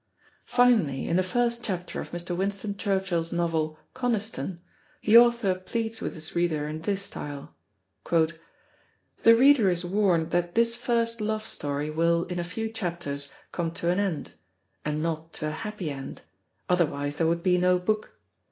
Finally, in the first chapter of Mr. Winston Churchill's novel, Coniston, the author pleads with his reader in this style: "The reader is warned that this first love story will, in a few chapters, come to an end; and not to a happy end otherwise there would be no book.